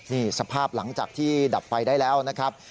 นี่สภาพหลังจากที่ดับไฟได้แล้วนะครับ